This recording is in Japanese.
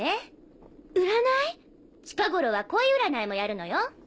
近頃は恋占いもやるのよ。